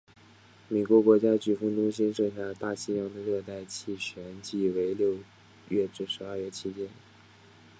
美国国家飓风中心设下大西洋的热带气旋季为六月至十二月期间。